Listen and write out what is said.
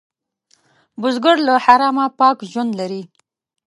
بزګر له حرامه پاک ژوند لري